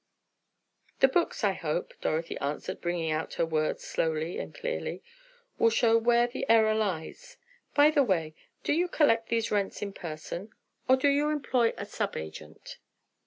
"The books, I hope," Dorothy answered bringing out her words slowly and clearly, "will show where the error lies. By the way, do you collect these rents in person, or do you employ a sub agent?"